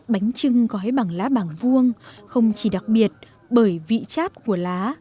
bánh trưng gói bằng lá bảng vuông không chỉ đặc biệt bởi vị chát của lá